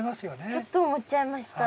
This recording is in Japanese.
ちょっと思っちゃいました。